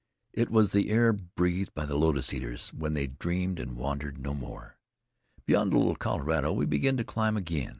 It was the air breathed by the lotus eaters, when they dreamed, and wandered no more. Beyond the Little Colorado, we began to climb again.